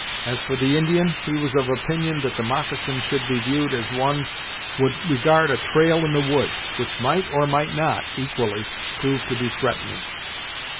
As for the Indian, he was of opinion that the moccasin should be viewed as one would regard a trail in the woods, which might, or might not, equally, prove to be threatening.